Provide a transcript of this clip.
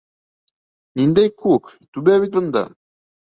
— Ниндәй күк, түбә бит бында.